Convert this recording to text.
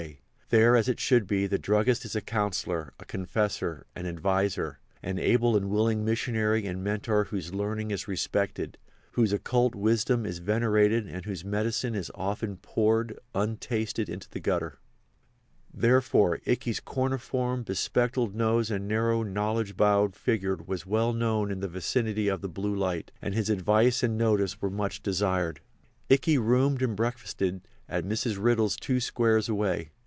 There, as it should be, the druggist is a counsellor, a confessor, an adviser, an able and willing missionary and mentor whose learning is respected, whose occult wisdom is venerated and whose medicine is often poured, untasted, into the gutter. Therefore Ikey's corniform, be spectacled nose and narrow, knowledge bowed figure was well known in the vicinity of the Blue Light, and his advice and notice were much desired. Ikey roomed and breakfasted at Mrs. Riddle's two squares away.